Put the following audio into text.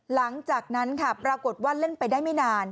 หลังจากนั้นค่ะปรากฏว่าเล่นไปได้ไม่นาน